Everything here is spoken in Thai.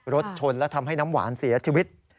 รถชนและทำให้น้ำหวานเสียชีวิต